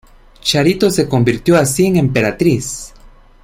Charito se convirtió así en emperatriz.